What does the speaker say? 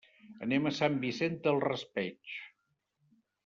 Anem a Sant Vicent del Raspeig.